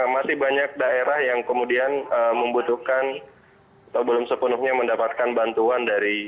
masih banyak daerah yang kemudian membutuhkan atau belum sepenuhnya mendapatkan bantuan dari